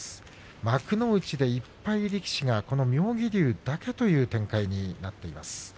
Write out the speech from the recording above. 幕内で１敗力士はこの妙義龍だけという展開になっています。